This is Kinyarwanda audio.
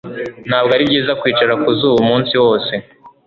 Ntabwo ari byiza kwicara ku zuba umunsi wose